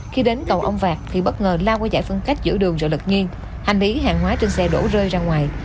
khi đến cầu ông vạc thì bất ngờ lao qua giải phương khách giữa đường rồi lật nhiên hành lý hàng hóa trên xe đổ rơi ra ngoài